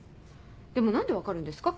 でも何で分かるんですか？